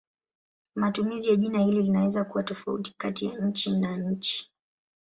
Matumizi ya jina hili linaweza kuwa tofauti kati ya nchi na nchi.